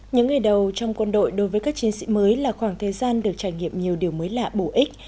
những ngày đầu trong quân đội đối với các chiến sĩ mới là khoảng thời gian được trải nghiệm nhiều điều mới lạ bổ ích